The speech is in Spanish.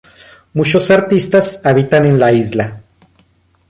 Muchos artistas habitan en la isla.